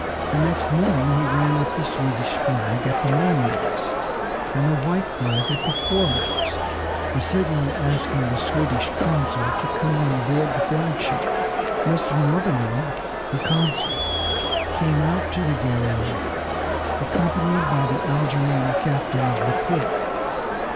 The next morning he ran up the Swedish flag at the mainmast, and a white flag at the foremast, a signal asking the Swedish consul to come on board the flag ship. Mr. Norderling, the consul, came out to the Guerrière, accompanied by the Algerine captain of the port.